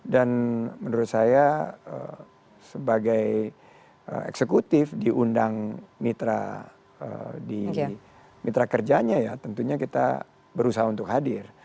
dan menurut saya sebagai eksekutif diundang mitra kerjanya tentunya kita berusaha untuk hadir